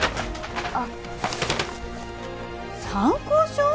あっ参考書？